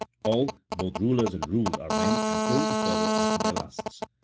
All, both rulers and ruled, are men, and prone to follow after their lusts.